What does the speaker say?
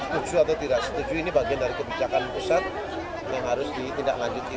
setuju atau tidak setuju ini bagian dari kebijakan pusat yang harus ditindaklanjuti